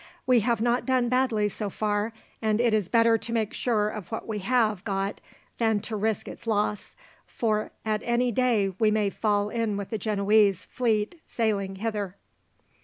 We have not done badly so far, and it is better to make sure of what we have got than to risk its loss, for at any day we may fall in with the Genoese fleet sailing hither."